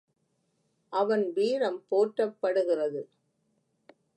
அவன் வீரம் போற்றப்படுகிறது.